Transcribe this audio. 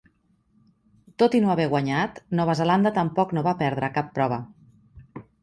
Tot i no haver guanyat, Nova Zelanda tampoc no va perdre cap prova.